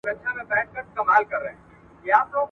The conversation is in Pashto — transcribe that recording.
پښتو ته د خدمت په لاره کې ستړي مه شئ.